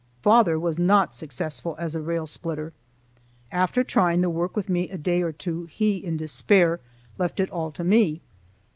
Father was not successful as a rail splitter. After trying the work with me a day or two, he in despair left it all to me.